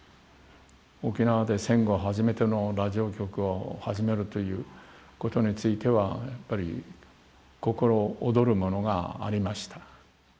沖縄で戦後初めてのラジオ局を始めるということについてはやっぱり心躍るものがありました。